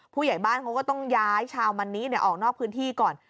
ผู้ใหญ่บ้านเขาก็ต้องย้ายชาวมันนี้ออกนอกพื้นที่ก่อน